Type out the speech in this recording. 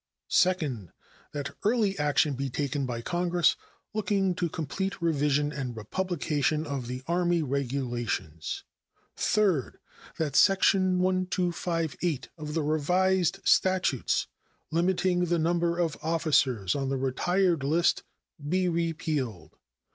Second. That early action be taken by Congress looking to a complete revision and republication of the Army Regulations. Third. That section 1258 of the Revised Statutes, limiting the number of officers on the retired list, be repealed.